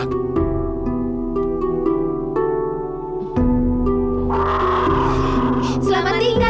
kalian mau pulang kan